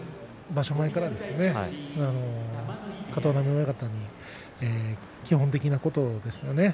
場所前から片男波親方に基本的なことですよね。